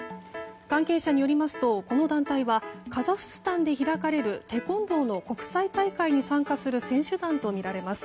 関係者によりますとこの団体はカザフスタンで開かれるテコンドーの国際大会に参加する選手団とみられます。